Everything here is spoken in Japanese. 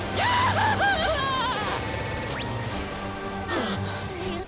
あっ。